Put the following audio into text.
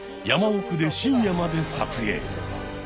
山奥で深夜まで撮影。